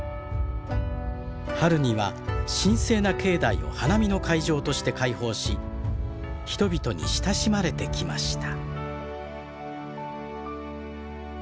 春には神聖な境内を花見の会場として開放し人々に親しまれてきました。